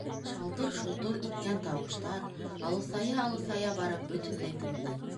Шалтыр-шолтор иткән тауыштар, алыҫая-алыҫая барып, бөтөнләй тынды.